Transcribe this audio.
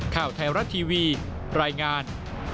ข่าวไทยรัฐทีวีรายงาน